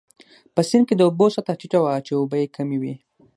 په سیند کې د اوبو سطحه ټیټه وه، چې اوبه يې کمې وې.